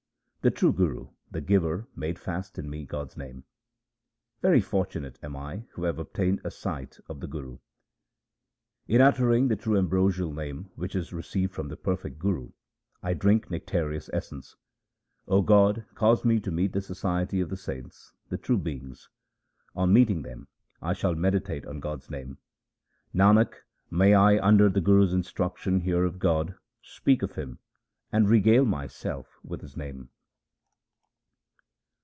The true Guru the giver made fast in me God's name. Very fortunate am I who have obtained a sight of the Guru. In uttering the true ambrosial Name which is received from the perfect Guru, I drink nectareous essence. O God, cause me to meet the society of the saints, the true beings. On meeting them I shall meditate on God's name. Nanak, may 1 under the Guru's instruction hear of God, speak of Him, and regale myself with His name